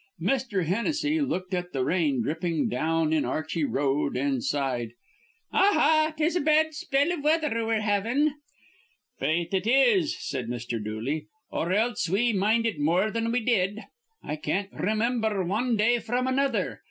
Mr. Hennessy looked out at the rain dripping down in Archey Road, and sighed, "A ha, 'tis a bad spell iv weather we're havin'." "Faith, it is," said Mr. Dooley, "or else we mind it more thin we did. I can't remimber wan day fr'm another.